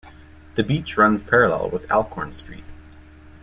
The beach runs parallel with Alcorn Street.